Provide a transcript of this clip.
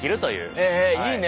へいいね。